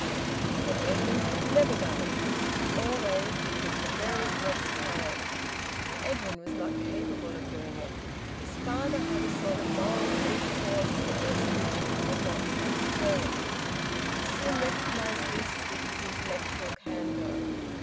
But Edwin had never done it. Always, it was `the very next time'! Edwin was not capable of doing it. His father had a sort of moral brute force, against which he could not stand firm. He soon recognised this, with his intellectual candour.